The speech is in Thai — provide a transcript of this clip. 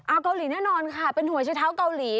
เอาเกาหลีแน่นอนค่ะเป็นหัวเชื้อเท้าเกาหลี